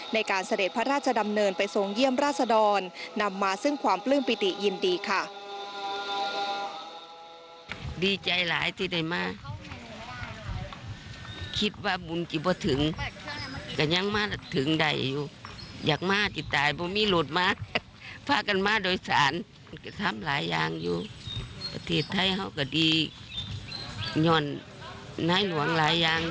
เสด็จพระราชดำเนินไปทรงเยี่ยมราษดรนำมาซึ่งความปลื้มปิติยินดีค่ะ